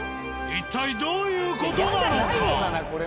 一体どういう事なのか。